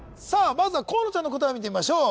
まずは河野ちゃんの答えを見てみましょう